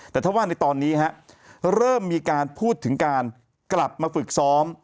แต่ถ้าว่าในตอนนี้เริ่มมีการพูดถึงการกลับมาฝึกซ้อม